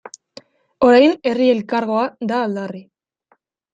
Orain Herri Elkargoa da aldarri.